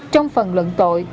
trong phần luận tội